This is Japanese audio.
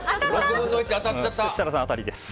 設楽さん、当たりです。